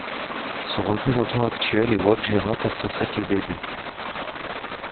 Son représentant actuel est Waqjera Terfasa Kebede.